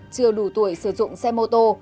chưa đủ tuổi sử dụng xe mô tô